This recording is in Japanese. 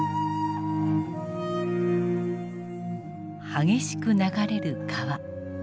激しく流れる川。